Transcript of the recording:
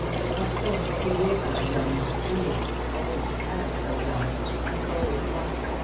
Of course he would die young; Beings always have so died, and always must.